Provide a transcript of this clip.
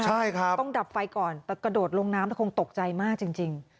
ใช่ครับต้องดับไฟก่อนแต่กระโดดลงน้ำแต่คงตกใจมากจริง